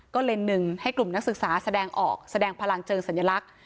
ก็เลยหนึ่งให้กลุ่มนักศึกษาแสดงออกแสดงพลังเชิงสัญลักษณ์